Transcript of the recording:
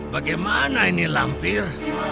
bagaimana ini lampir